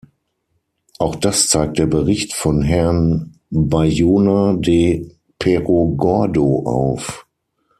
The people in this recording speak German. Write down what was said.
Auch das zeigt der Bericht von Herrn Bayona de Perogordo auf.